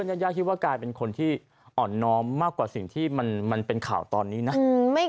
ญาติย่าคิดว่ากลายเป็นคนที่อ่อนน้อมมากกว่าสิ่งที่มันเป็นข่าวตอนนี้นะ